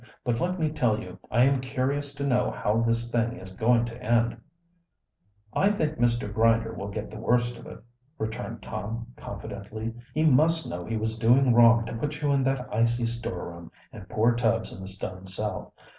"But let me tell you, I am curious to know how this thing is going to end." "I think Mr. Grinder will get the worst of it," returned Tom confidently. "He must know he was doing wrong to put you in that icy storeroom and poor Tubbs in the stone cell.